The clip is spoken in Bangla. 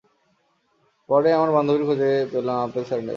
পরে আমার বান্ধবীর খোঁজে পেলাম অ্যাপেল স্যান্ডেল।